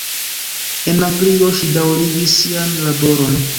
En Anglio ŝi daŭrigis sian laboron.